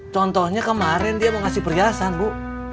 contohnya kemarin dia mau ngasih perhiasan bu